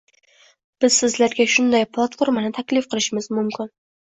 biz sizlarga shunday platformani taklif qilishimiz mumkin.